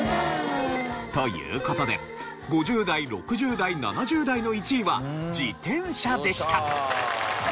という事で５０代６０代７０代の１位は自転車でした。